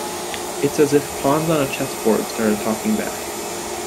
It's as if pawns on a chessboard started talking back.